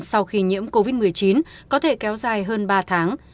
sau khi nhiễm covid một mươi chín có thể kéo dài hơn ba tháng